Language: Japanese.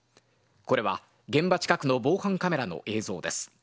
これは現場近くの防犯カメラの映像です。